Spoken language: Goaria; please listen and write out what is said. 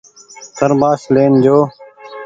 ٿرمآش لين جو۔